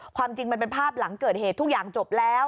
ความจริงมันเป็นภาพหลังเกิดเหตุทุกอย่างจบแล้ว